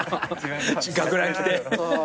学ラン着て。